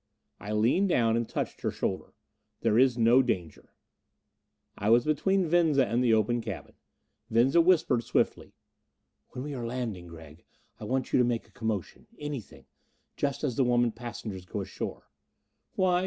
I leaned down and touched her shoulder. "There is no danger." I was between Venza and the open cabin. Venza whispered swiftly, "When we are landing, Gregg, I want you to make a commotion anything just as the women passengers go ashore." "Why?